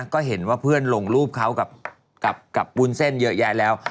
ก็เห็นว่าเพื่อนลงรูปเขากับวุ้นเส้นเยอะแยะแล้ว